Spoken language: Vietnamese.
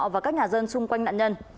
và các nhà dân xung quanh nạn nhân